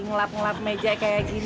ngelap ngelap meja kayak gini